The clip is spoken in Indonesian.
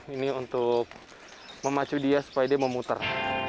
ini untuk memacu dia supaya dia mau muter